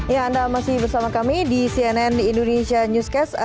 ya anda masih bersama kami di cnn indonesia newscast